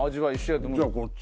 じゃあこっち。